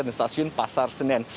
dan stasiun pasar senen